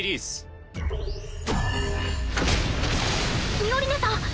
ミオリネさん